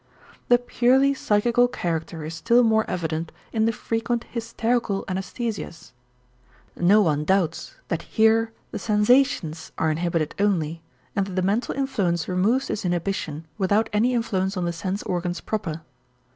The purely psychical character is still more evident in the frequent hysterical anæsthesias. No one doubts that here the sensations are inhibited only and that the mental influence removes this inhibition without any influence on the sense organs proper.